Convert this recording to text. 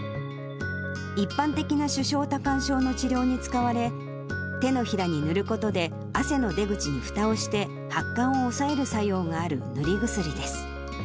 一般的な手掌多汗症の治療に使われ、手のひらに塗ることで汗の出口にふたをして発汗を抑える作用がある塗り薬です。